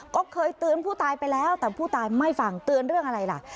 ก็เคยเตือนผู้ตายไปแล้วแต่ผู้ตายไม่ฟังเตือนเรื่องอะไรล่ะ